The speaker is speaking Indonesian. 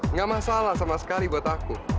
nggak masalah sama sekali buat aku